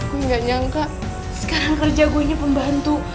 gue gak nyangka sekarang kerja gue ini pembantu